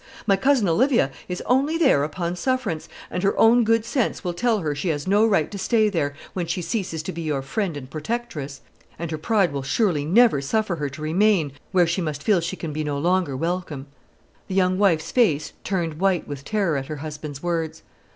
My cousin Olivia is only there upon sufferance, and her own good sense will tell her she has no right to stay there, when she ceases to be your friend and protectress. She is a proud woman, and her pride will surely never suffer her to remain where she must feel she can be no longer welcome." The young wife's face turned white with terror at her husband's words.